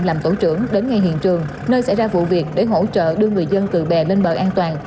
làm tổ trưởng đến ngay hiện trường nơi xảy ra vụ việc để hỗ trợ đưa người dân từ bè lên bờ an toàn